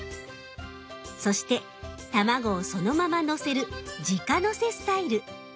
そして卵をそのままのせるじかのせスタイル。